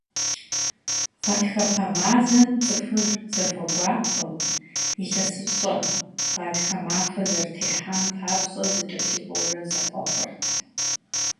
Гъатхэпэ мазэм цӀыхур зэхуэгуапэу, илъэсыщӀэ, гъатхэ махуэ зэрытехьам папщӀэ зэкӀэлъыкӀуэурэ зэхъуэхъурт.